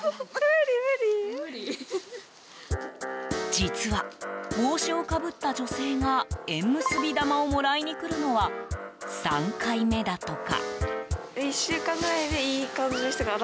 実は、帽子をかぶった女性が縁結び玉をもらいに来るのは３回目だとか。